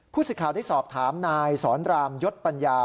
สิทธิ์ข่าวได้สอบถามนายสอนรามยศปัญญา